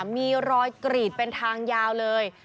มีรอยกรีดเป็นทางยาวเลย